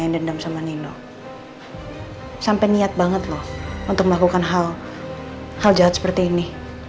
yang dendam sama nino sampai niat banget loh untuk melakukan hal hal jahat seperti ini